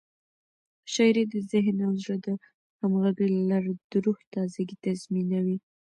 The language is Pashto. شاعري د ذهن او زړه د همغږۍ له لارې د روح تازه ګي تضمینوي.